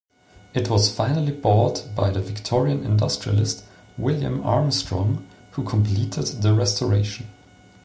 It was finally bought by the Victorian industrialist William Armstrong, who completed the restoration.